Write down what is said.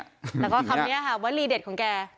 แล้วก็คำนี้ค่ะวลีเด็ดของแก